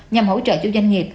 nhằm hỗ trợ chủ doanh nghiệp